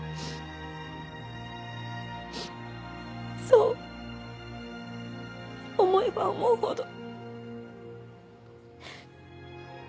そう思えば思うほど。